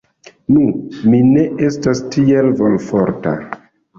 Nu, mi ne estas tiel volforta.